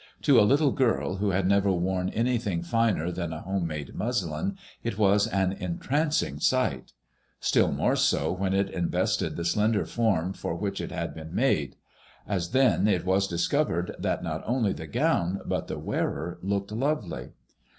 To a little girl who had never worn anything finer than a home made muslin, it was an entran cing sight ; still more so when it invested the slender form for which it had been made ; as then it was discovered that not only the gown but the wearer looked lovely.